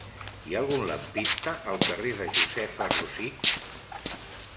Hi ha algun lampista al carrer de Josefa Rosich?